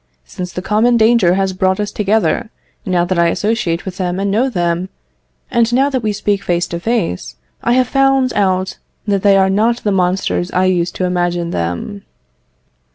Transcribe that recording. Since the common danger has brought us together, now that I associate with them and know them, and now that we speak face to face, I have found out that they are not the monsters I used to imagine them."